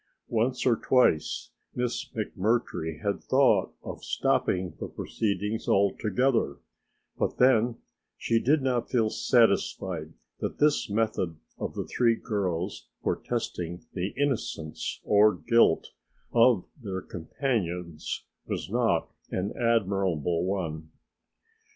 Once or twice Miss McMurtry had thought of stopping the proceedings altogether, but then she did not feel satisfied that this method of the three girls for testing the innocence or guilt of their companions was not an admirable one.